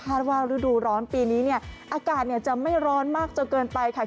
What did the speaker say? ว่าฤดูร้อนปีนี้เนี่ยอากาศจะไม่ร้อนมากจนเกินไปค่ะ